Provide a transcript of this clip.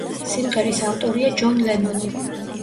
სიმღერის ავტორია ჯონ ლენონი.